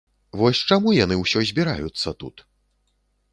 Вось, чаму яны ўсё збіраюцца тут?